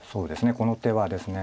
この手はですね